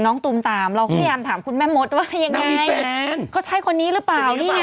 ตูมตามเราพยายามถามคุณแม่มดว่ายังไงเขาใช่คนนี้หรือเปล่านี่ไง